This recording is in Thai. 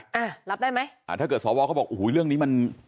แล้วรับได้ไหมถ้าเกิดสวอเขาบอกเรื่องนี้มัน